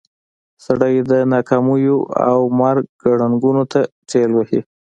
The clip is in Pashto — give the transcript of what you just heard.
سړی د ناکاميو او مرګ ګړنګونو ته ټېل وهي.